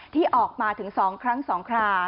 ที่ออกมาถึง๒ครั้ง๒ครา